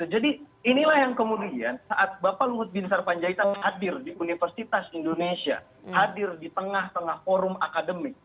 inilah yang kemudian saat bapak luhut bin sarpanjaitan hadir di universitas indonesia hadir di tengah tengah forum akademik